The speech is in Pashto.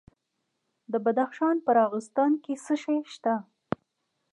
د بدخشان په راغستان کې څه شی شته؟